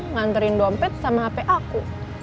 nganturin dompet sama hape aku